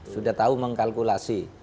sudah tahu mengkalkulasi